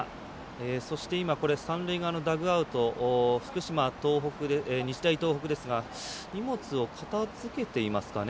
そして、三塁側のダグアウト日大東北ですが荷物を片づけていますかね。